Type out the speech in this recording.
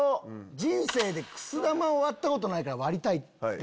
人生でくす玉を割ったことないから割りたい。